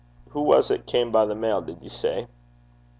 Who was it came by the mail, did you say?'